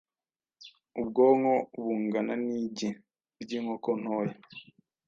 ubwonko bungana n’igi ry’inkoko ntoya